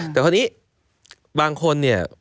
แต่คราวนี้บางคนเนี่ย